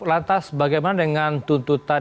lantas bagaimana dengan tuntutan